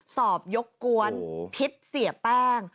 สอบยกกวนพิษเสียแป้ง